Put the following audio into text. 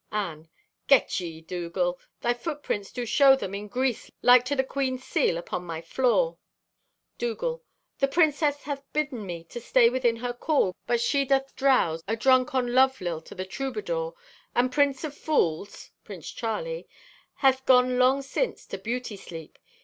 Anne.—"Get ye, Dougal! Thy footprints do show them in grease like to the Queen's seal upon my floor!" Dougal.—"The princess hath bidden me to stay within her call, but she doth drouse, adrunk on love lilt o' the troubadour, and Prince of Fools (Prince Charlie) hath gone long since to beauty sleep.